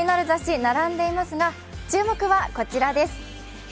雑誌が並んでいますが、注目はこちらです。